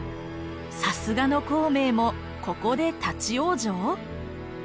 さすがの孔明もここで立往生！？